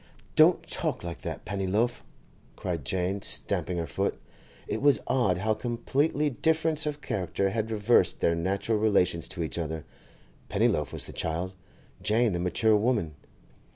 'Don't talk like that, Pennyloaf!' cried Jane, stamping her foot, (It was odd how completely difference of character had reversed their natural relations to each other; Pennyloaf was the child, Jane the mature woman.)